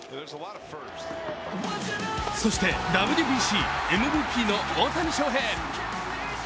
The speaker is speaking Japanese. そしてＷＢＣ、ＭＶＰの大谷翔平。